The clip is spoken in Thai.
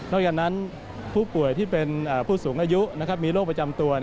จากนั้นผู้ป่วยที่เป็นผู้สูงอายุมีโรคประจำตัว